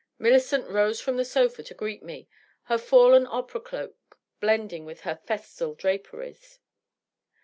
Millicent rose from a sofa to greet me, her &llen opera cloak blending with her festal draperies.